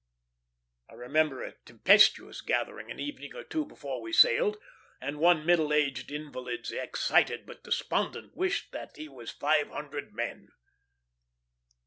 I remember a tempestuous gathering, an evening or two before we sailed, and one middle aged invalid's excited but despondent wish that he was five hundred men.